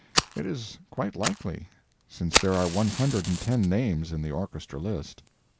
It is quite likely, since there are one hundred and ten names in the orchestra list.